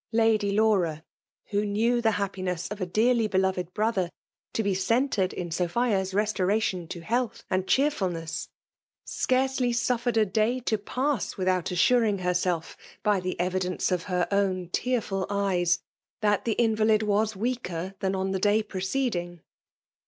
Lady Laura, who knew the happiness of a dearly loved brother to be centered in Sophia's restoration to health and cheerfulness, searcely suffinred a day to pass without assuring hersd£ byfte esidenoe jo£ hcD tmh tedrfcd «ye8> tliai (lie iiiT&fid wati if«4ker «tlum on the day pTCcedisig.